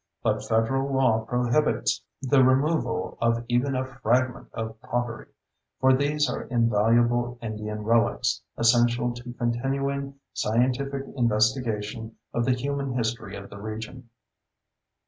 But Federal law prohibits the removal of even a fragment of pottery—for these are invaluable Indian relics, essential to continuing scientific investigation of the human history of the region.